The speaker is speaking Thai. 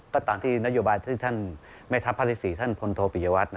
ก็ตามที่นโยบายที่ท่านแม่ทัพภาคที่๔ท่านพลโทปิยวัตร